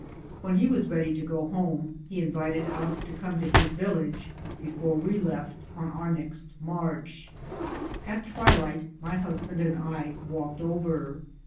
When he was ready to go home he invited us to come to his village before we left on our next march. At twilight my husband and I walked over.